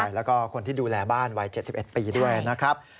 แล้วก็คนที่ดูแลบ้านวัย๗๑ปีด้วยนะครับ